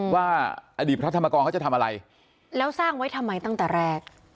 ว่าอดีตพระธรรมกรเขาจะทำอะไรแล้วสร้างไว้ทำไมตั้งแต่แรก